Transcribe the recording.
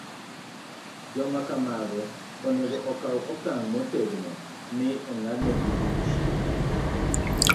Joma kamago onego okaw okang ' motegno, mi ong'adnegi buch